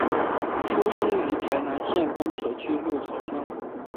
出生于台南县东石区鹿草乡。